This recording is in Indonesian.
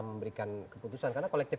memberikan keputusan karena kolektif